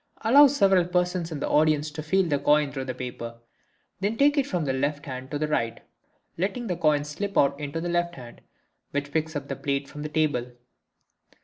Allow several persons in the audience to feel the coin through the paper, then take it from the left hand to the right, letting the coin slip out into the left hand, which picks up a plate from the table.